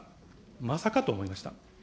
まさかと思いました。